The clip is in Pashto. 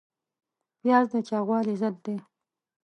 پیاز د چاغوالي ضد دی